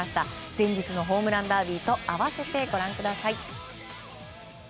前日のホームランダービーと併せてご覧ください。